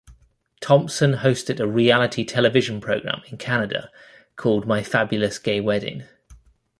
Thompson hosted a reality television program in Canada called "My Fabulous Gay Wedding".